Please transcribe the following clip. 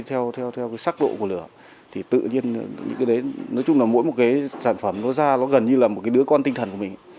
theo cái sắc độ của lửa thì tự nhiên những cái đấy nói chung là mỗi một cái sản phẩm nó ra nó gần như là một cái đứa con tinh thần của mình